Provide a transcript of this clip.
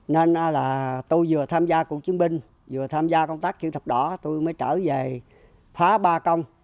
nên là tôi vừa tham gia cuộc chiến binh vừa tham gia công tác chữ thập đỏ tôi mới trở về phá ba trong